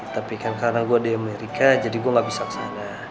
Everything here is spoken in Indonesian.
tapi kan karena gue di amerika jadi gue gak bisa kesana